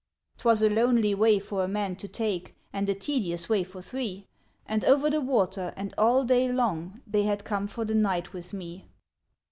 'T was a lonely way for a man to take And a tedious way for three ; And over the water, and all day long, They had come for the night with me.